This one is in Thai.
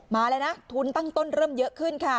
มาเลยนะทุนตั้งต้นเริ่มเยอะขึ้นค่ะ